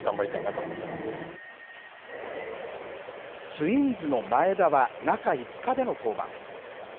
ツインズの前田は中５日での登板。